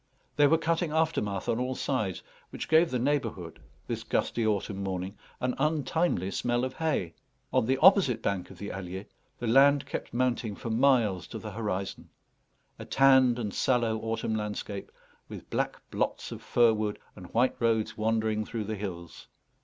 They were cutting aftermath on all sides, which gave the neighbourhood, this gusty autumn morning, an untimely smell of hay. On the opposite bank of the Allier the land kept mounting for miles to the horizon: a tanned and sallow autumn landscape, with black blots of fir wood and white roads wandering through the hills.